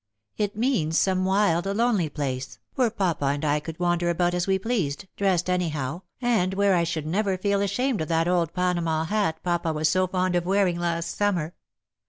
It means some wild lonely place, where papa and I could wander about as we pleased, dressed anyhow, and where I should never feel ashamed of that old Panama hat papa was so fond of wearing last summer.